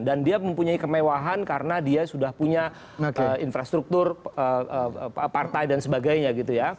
dan dia mempunyai kemewahan karena dia sudah punya infrastruktur partai dan sebagainya gitu